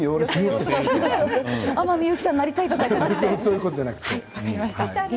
天海祐希さんになりたいとかということじゃなくて。